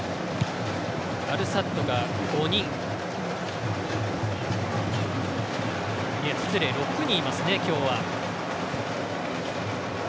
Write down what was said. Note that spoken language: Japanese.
アルサッドが６人いますね、今日は。